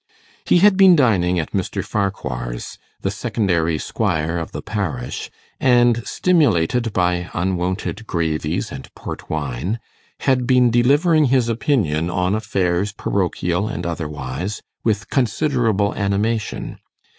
He had been dining at Mr. Farquhar's, the secondary squire of the parish, and, stimulated by unwonted gravies and port wine, had been delivering his opinion on affairs parochial and otherwise with considerable animation.